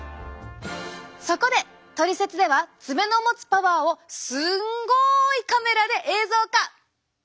そこで「トリセツ」では爪の持つパワーをすんごいカメラで映像化！